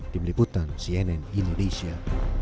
di meliputan cnn indonesia